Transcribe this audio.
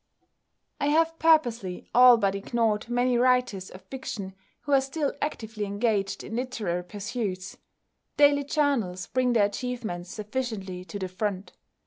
I have purposely all but ignored many writers of fiction who are still actively engaged in literary pursuits. The daily journals bring their achievements sufficiently to the front.